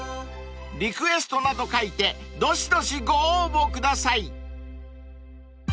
［リクエストなど書いてどしどしご応募ください］